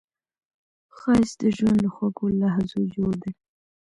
ښایست د ژوند له خوږو لحظو جوړ دی